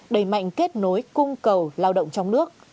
đẩy mạnh kết nối cung cầu lao động trong nước